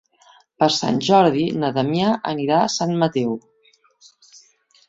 Per Sant Jordi na Damià anirà a Sant Mateu.